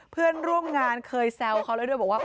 เพื่อนร่วมงานเคยแซวเขาแล้วด้วยบอกว่า